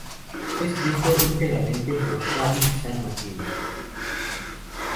Fue escrito íntegramente por Xabi San Martín.